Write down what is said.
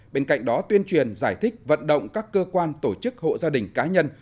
bên cạnh đó tuyên truyền giải thích vận động các cơ quan tổ chức hộ gia đình cá nhân